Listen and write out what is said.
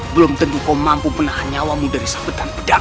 belum tentu kau mampu menahan nyawamu dari sabetan pedang